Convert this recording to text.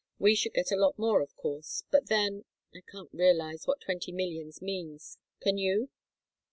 We should get a lot more, of course but then I can't realize what twenty millions mean, can you?